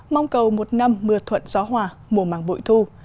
mong cầu một năm mưa thuận gió hòa mùa màng bội thu